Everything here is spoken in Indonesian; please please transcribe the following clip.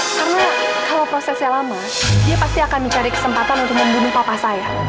karena kalau prosesnya lama dia pasti akan mencari kesempatan untuk membunuh papa saya